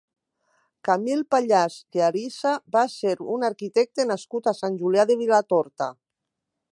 Camil Pallàs i Arisa va ser un arquitecte nascut a Sant Julià de Vilatorta.